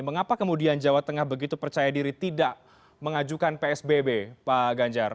mengapa kemudian jawa tengah begitu percaya diri tidak mengajukan psbb pak ganjar